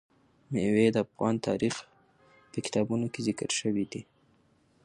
مېوې د افغان تاریخ په کتابونو کې ذکر شوی دي.